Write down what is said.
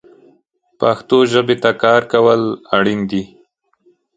پښتو ژبې ته کار کول اړین دي